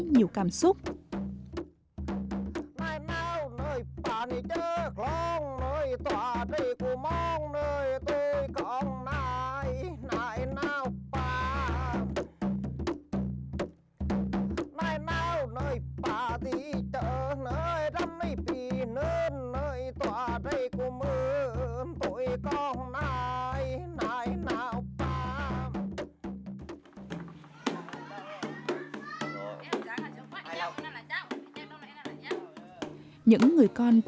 nhiều cảm xúc